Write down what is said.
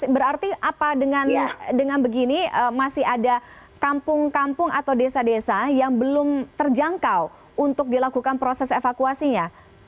berarti apa dengan begini masih ada kampung kampung atau desa desa yang belum terjangkau untuk dilakukan proses evakuasinya